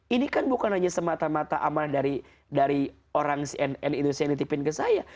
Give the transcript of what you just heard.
ini kan bukan hanya semata mata amal dari orang cnn indonesia yang nitipin ke saya